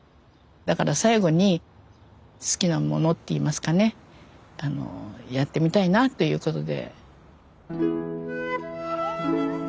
だから最後に好きなものって言いますかねやってみたいなということで。